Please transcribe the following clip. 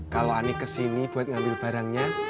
kalau anik kesini buat ngambil barangnya